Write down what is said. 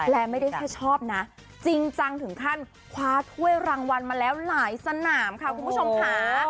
และไม่ได้แค่ชอบนะจริงจังถึงขั้นคว้าถ้วยรางวัลมาแล้วหลายสนามค่ะคุณผู้ชมค่ะ